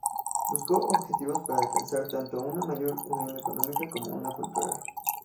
Buscó objetivos para alcanzar tanto una mayor unión económica como una cultural.